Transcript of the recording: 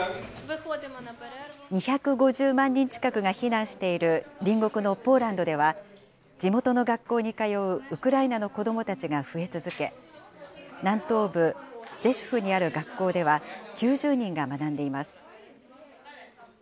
２５０万人近くが避難している隣国のポーランドでは、地元の学校に通うウクライナの子どもたちが増え続け、南東部ジェシュフにある学校では、９０人が学んでいます。